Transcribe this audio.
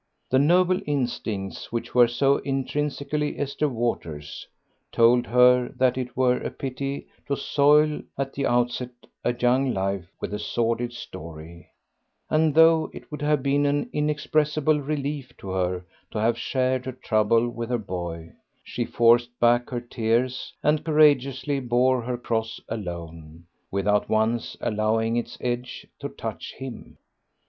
The noble instincts which were so intrinsically Esther Waters' told her that it were a pity to soil at the outset a young life with a sordid story, and though it would have been an inexpressible relief to her to have shared her trouble with her boy, she forced back her tears and courageously bore her cross alone, without once allowing its edge to touch him.